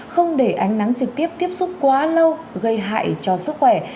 không để ánh nắng trực tiếp tiếp xúc quá lâu gây hại cho sức khỏe